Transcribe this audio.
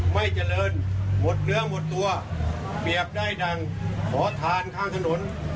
ไม่เจริญหมดเนื้อหมดตัวเปรียบได้ดังขอทานข้างถนน